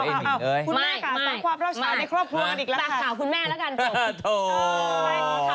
แม่คุณแม่ข่าวข่าวพอเล่าชาติให้ครอบครัว